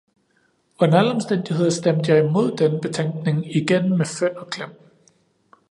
Under alle omstændigheder stemte jeg imod denne betænkning igen med fynd og klem.